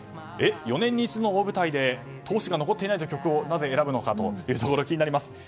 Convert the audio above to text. ４年に一度の大舞台で闘志が残っていないという曲をなぜ選ぶのかというところ気になります。